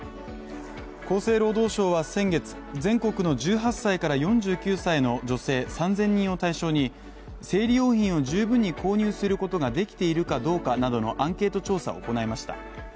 厚生労働省は先月、全国の１８歳から４９歳の女性３０００人を対象に、生理用品を十分に購入することができているかどうかなどのアンケート調査を行いました。